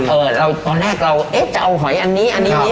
เราตอนแรกเราเอ๊ะจะเอาหอยอันนี้อันนี้